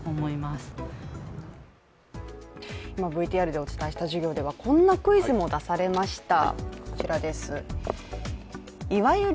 ＶＴＲでお伝えした授業ではこんなクイズも出されました。